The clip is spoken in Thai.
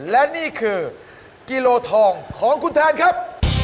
และนี่คือกิโลทองของคุณแทนครับ